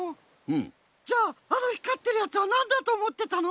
じゃああの光ってるやつはなんだとおもってたの？